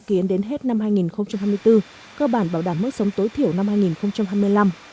kiến đến hết năm hai nghìn hai mươi bốn cơ bản bảo đảm mức sống tối thiểu năm hai nghìn hai mươi năm